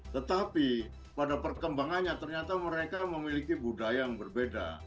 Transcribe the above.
tetapi pada perkembangannya ternyata mereka memiliki budaya yang berbeda